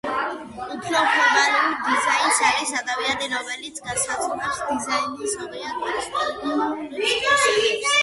უფრო ფორმალურად, დიზაინერი არის ადამიანი, რომელიც „განსაზღვრავს დიზაინის ობიექტის სტრუქტურულ თვისებებს.